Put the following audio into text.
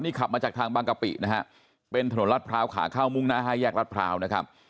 ขับมาจากทางบางกะปินะฮะเป็นถนนรัฐพร้าวขาเข้ามุ่งหน้าห้าแยกรัฐพร้าวนะครับ